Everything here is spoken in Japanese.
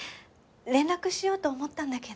連絡しようと思ったんだけど。